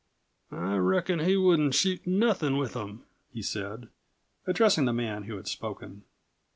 "I reckon he wouldn't shoot nothin' with them," he said, addressing the man who had spoken.